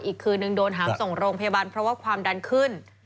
อีกคืนนึงโดนหามส่งโรงพยาบาลเพราะว่าความดันขึ้น